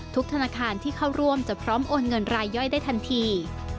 ธนาคารที่เข้าร่วมจะพร้อมโอนเงินรายย่อยได้ทันที